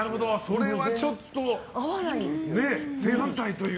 それはちょっと正反対という。